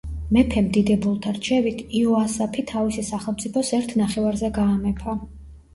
მეფემ დიდებულთა რჩევით იოასაფი თავისი სახელმწიფოს ერთ ნახევარზე გაამეფა.